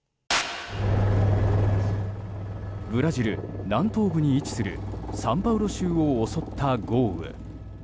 ブラジル南東部に位置するサンパウロ州を襲った豪雨。